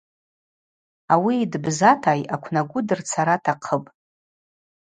Ауи дбзата йъаквнагу дырцара атахъыпӏ.